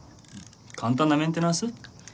簡単なメンテナンス。